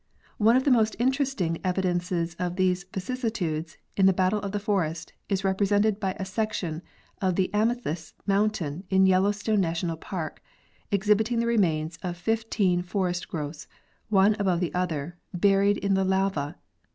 One of the most interesting evidences of these vicissitudes in the battle of the forest is represented in a section of Amethyst mountain in Yellowstone National Park, exhibiting the remains of fifteen forest growths, one above the other, buried in the lava.